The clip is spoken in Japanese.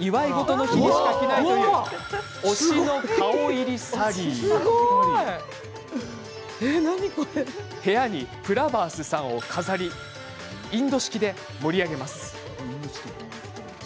祝い事の日にしか着ないという推しの顔入りサリーを身にまとい部屋にプラバースさんを飾りインド式で盛り上げます。